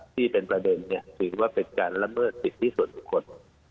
ทีเป็นประเด็นสือว่าเป็นการลำเบิดสิทธิ์ที่สุดทุกคน